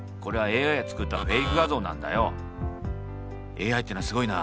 ＡＩってのはすごいな。